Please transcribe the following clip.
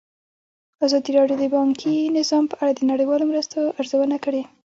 ازادي راډیو د بانکي نظام په اړه د نړیوالو مرستو ارزونه کړې.